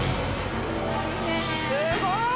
すごい。